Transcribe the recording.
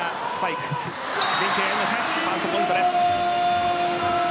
ファーストポイントです。